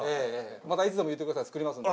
またいつでも言ってください作りますんで。